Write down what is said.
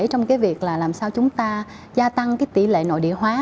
trong việc làm sao chúng ta gia tăng tỷ lệ nội địa hóa